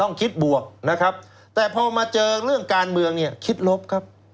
ต้องคิดบวกนะครับแต่พอมาเจอเรื่องการเมืองเนี่ยคิดลบครับ